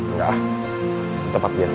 enggak di tempat biasa aja